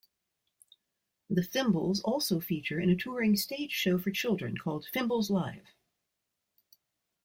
The Fimbles also feature in a touring stage show for children called Fimbles Live!